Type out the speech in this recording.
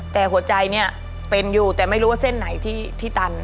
แต่หัวใจเนี่ยเป็นอยู่แต่ไม่รู้ว่าเส้นไหนที่ตัน